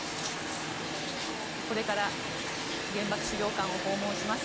これから原爆資料館を訪問します。